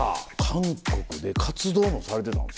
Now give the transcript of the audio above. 韓国で活動もされてたんですね。